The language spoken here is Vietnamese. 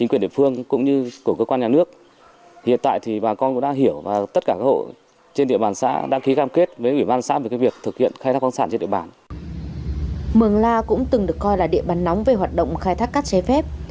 mường la cũng từng được coi là địa bàn nóng về hoạt động khai thác cát chế phép